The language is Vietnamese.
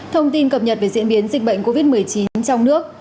thông tin cập nhật về diễn biến dịch bệnh covid một mươi chín trong nước